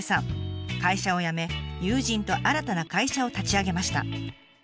会社を辞め友人と新たな会社を立ち上げました。